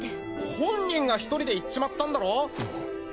本人が１人で行っちまったんだろ？